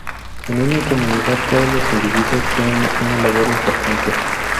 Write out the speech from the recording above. En una comunidad todos los individuos tienen una labor importante.